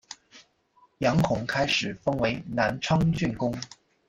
杨珙开始封为南昌郡公。